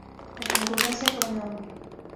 La concurrencia fue enorme.